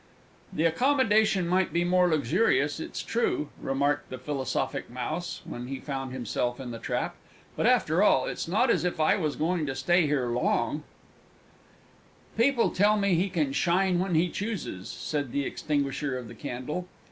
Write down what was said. "The accommodation might be more luxurious, it's true," remarked the philosophic Mouse, when he found himself in the Trap, "but, after all, it's not as if I was going to stay here long!" "People tell me he can shine when he chooses," said the Extinguisher of the Candle.